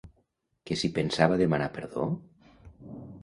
Que si pensava demanar perdó?